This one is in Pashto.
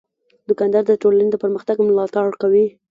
دوکاندار د ټولنې د پرمختګ ملاتړ کوي.